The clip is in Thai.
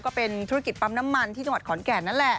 ก็เป็นธุรกิจปั๊มน้ำมันที่จังหวัดขอนแก่นนั่นแหละ